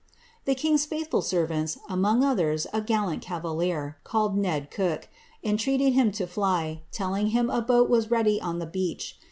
The king's faithful servants, among others a galhint cavalier, called Ned Cooke, entreated him to fly, telling him a boat was ready on the beach.